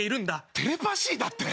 テレパシーだって？